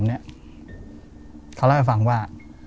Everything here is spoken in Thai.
เขาเล่าให้ฟังว่า